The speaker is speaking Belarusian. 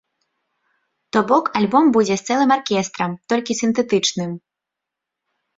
То бок альбом будзе з цэлым аркестрам, толькі сінтэтычным.